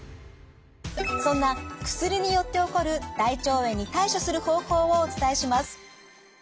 そんな薬によって起こる大腸炎に対処する方法をお伝えします。